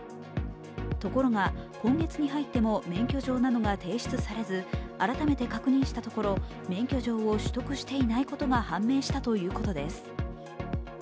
ところが、今月に入っても免許状などが提出されず改めて確認したところ免許状を取得していないことが判明したということです。